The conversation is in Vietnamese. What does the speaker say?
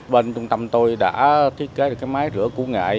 bên trung tâm tôi đã thiết kế được cái máy rửa củ nghệ